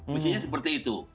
mestinya seperti itu